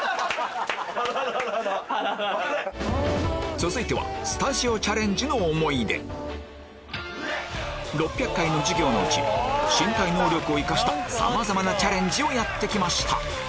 続いては６００回の授業のうち身体能力を生かしたさまざまなチャレンジをやって来ました